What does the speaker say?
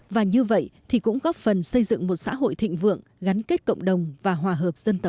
và như vậy thì cũng góp phần xây dựng một xã hội thịnh vượng gắn kết cộng đồng và hòa hợp dân tộc